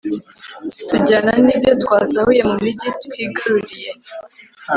tujyana n’ibyo twasahuye mu migi twigaruriye